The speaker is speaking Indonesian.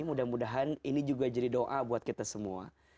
mudah mudahan ini juga jadi doa buat kita semua